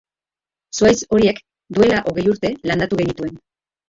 Zuhaitz horiek duela hogei urte landatu genituen.